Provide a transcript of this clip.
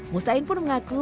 mustain pun mengaku